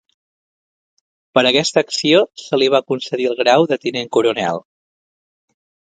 Per aquesta acció se li va concedir el grau de tinent coronel.